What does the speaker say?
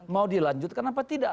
mau dilanjutkan apa tidak